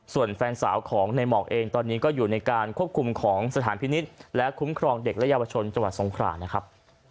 ส่วนแฟนสาวของในหมอกเองตอนนี้ก็อยู่ในการควบคุมของสถานพินิษฐ์และคุ้มครองเด็กและเยาวชนจังหวัดสงขรานะครับ